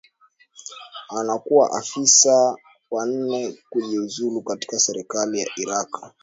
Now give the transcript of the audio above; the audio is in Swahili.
anakuwa afisa wa nne kujiuzulu katika serikali ya iraq